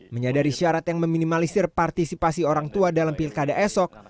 menyadari syarat yang meminimalisir partisipasi orang tua dalam pilkada esok